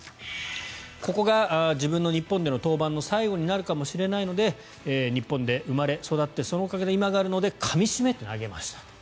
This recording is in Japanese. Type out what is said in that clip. ここが自分の日本での登板の最後になるかもしれないので日本で生まれ育ってそのおかげで今があるのでかみ締めて投げましたと。